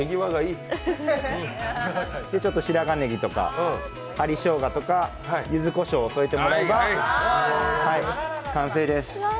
白髪ねぎとか針しょうがとかゆずこしょうを添えてもらえば完成です。